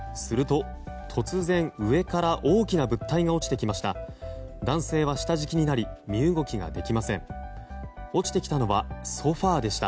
すると突然上から大きな物体が落ちてきました。